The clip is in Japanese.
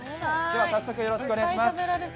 早速、よろしくお願いします。